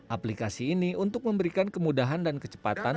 aplikasi ini untuk memberikan kemudahan dan kecepatan